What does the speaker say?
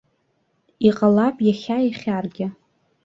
Иҟалап иахьа ихьаргьы.